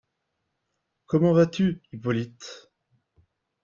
comment vas-tu, Hippolyte?